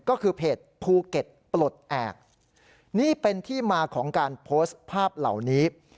ก็คือเพจภูเก็ตปลดแอบนี่เป็นที่มาของการโพสต์ภาพเหล่านี้